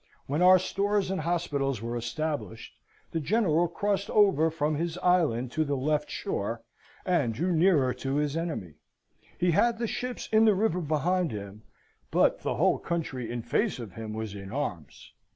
When our stores and hospitals were established, our General crossed over from his island to the left shore, and drew nearer to his enemy. He had the ships in the river behind him, but the whole country in face of him was in arms.